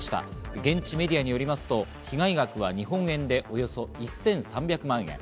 現地メディアによりますと被害額は日本円でおよそ１３００万円。